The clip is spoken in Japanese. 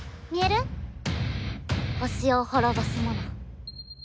惑星を滅ぼすもの。